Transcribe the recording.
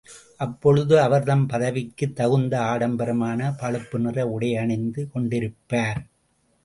அப்பொழுது அவர்தம் பதவிக்குத் தகுந்த ஆடம்பரமான பழுப்புநிற உடையணிந்து கொண்டிருப்பார்.